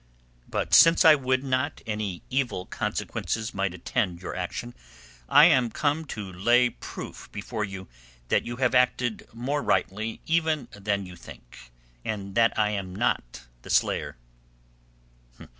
"But since I would not that any evil consequences might attend your action, I am come to lay proof before you that you have acted more rightly even than you think, and that I am not the slayer."